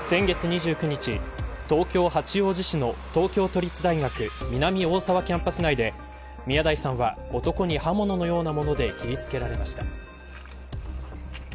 先月２９日東京、八王子市の東京都立大学南大沢キャンパス内で宮台さんは男に刃物のようなもので切りつけられました。